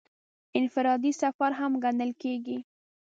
انفرادي سفر هم ګڼل کېږي.